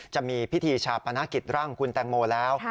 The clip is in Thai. จะมีพิธีชาปนกิจร่างคุณแตงโมแล้ว